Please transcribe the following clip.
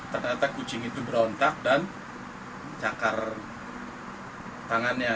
ternyata kucing itu berontak dan cakar tangannya